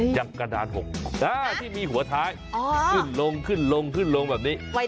อย่างกระดานหกที่มีหัวท้ายขึ้นลงแบบนี้